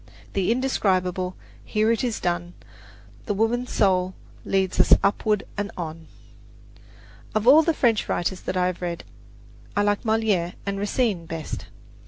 The indescribable Here it is done. The Woman Soul leads us upward and on! Of all the French writers that I have read, I like Moliere and Racine best.